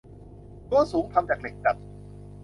รั้วสูงทำจากเหล็กดัด